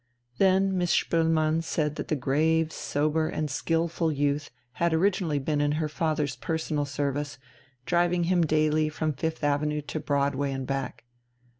Then Miss Spoelmann said that the grave, sober, and skilful youth had originally been in her father's personal service, driving him daily from Fifth Avenue to Broadway and back.